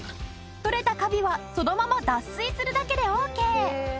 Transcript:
取れたカビはそのまま脱水するだけでオーケー。